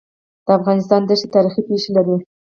د افغانستان دښتي تاریخي پېښې لري.